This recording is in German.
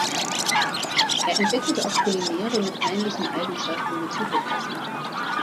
Er entwickelte auch Polymere mit ähnlichen Eigenschaften wie Zytoplasma.